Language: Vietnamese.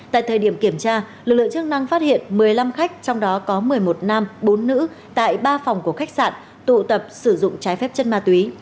tại thời điểm kiểm tra lực lượng chức năng phát hiện một mươi năm khách trong đó có một mươi một nam bốn nữ tại ba phòng của khách sạn tụ tập sử dụng trái phép chất ma túy